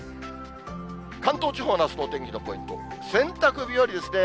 関東地方のあすのお天気のポイント、洗濯日和ですね。